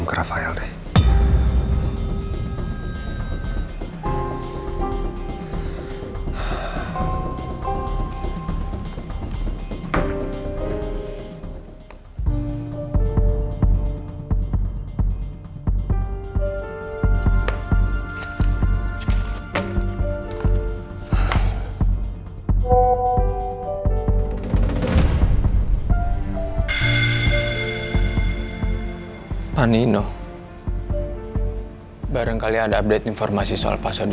masa harus telfon dulu